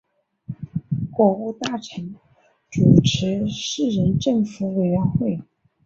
国务大臣主持四人政府委员会。